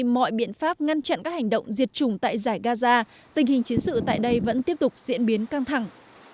mọi biện pháp ngăn chặn các hành động diệt chủng tại giải gaza tình hình chiến sự tại đây vẫn tiếp tục diễn biến căng thẳng